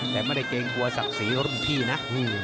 แต่ไม่ได้เกรงกลัวศักดิ์ศรีรุ่นพี่นะ